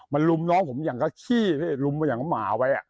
มันรุมน้องผมอย่างกับขี้รุมอย่างกับหมาไว้